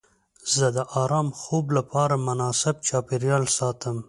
زه د ارام خوب لپاره مناسب چاپیریال ساتم.